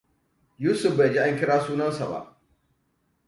Yusuf bai ji an kira sunansa ba.